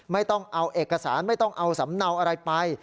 ไม่ต้องเอาเอกสารไม่ต้องเอาสำเนาอะไรไป